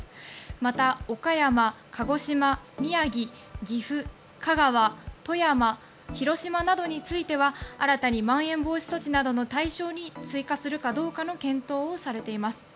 また岡山、鹿児島、宮城、岐阜香川、富山、広島などについては新たにまん延防止措置などの対象に追加するかどうかの検討をされています。